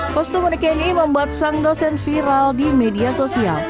kostum unik ini membuat sang dosen viral di media sosial